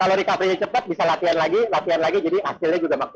kalau recovery nya cepat bisa latihan lagi latihan lagi jadi hasilnya juga maksimal